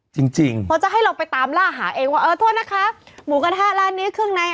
จริงจริงเพราะจะให้เราไปตามล่าหาเองว่าเออโทษนะคะหมูกระทะร้านนี้เครื่องใน